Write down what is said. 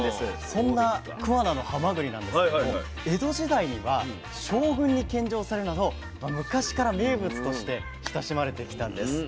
そんな桑名のはまぐりなんですけれども江戸時代には将軍に献上されるなど昔から名物として親しまれてきたんです。